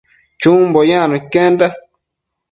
Chumbo yacno iquenda